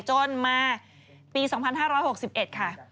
จนมาปี๒๕๖๑ค่ะ